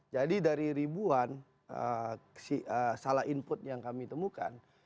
jadi dari ribuan salah input yang kami temukan